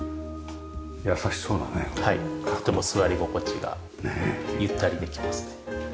とても座り心地がゆったりできますね。